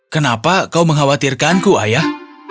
kenapa kau mengkhawatirkanku ayah